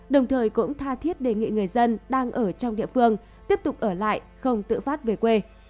đồng thời cũng tha thiết đề nghị người dân đang ở trong địa phương tiếp tục ở lại không tự phát về quê